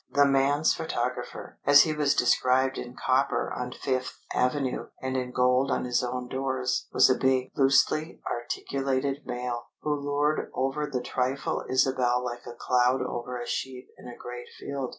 The "man's photographer," as he was described in copper on Fifth Avenue and in gold on his own doors, was a big, loosely articulated male, who loured over the trifle Isabel like a cloud over a sheep in a great field.